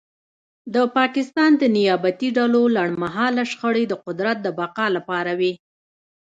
د پاکستان د نیابتي ډلو لنډمهاله شخړې د قدرت د بقا لپاره وې